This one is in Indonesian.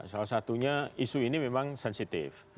salah satunya isu ini memang sensitif